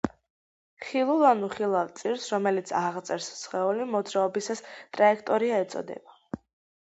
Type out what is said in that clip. ხილულ ან უხილავ წირს, რომელიც აღწერს სხეული მოძრაობისას, ტრაექტორია ეწოდება.